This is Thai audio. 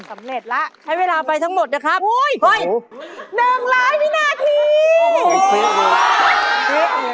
สำเร็จแล้วให้เวลาไปทั้งหมดเดี๋ยวครับอุ้ยนึงร้ายพี่หน้าทีโอ้โฮ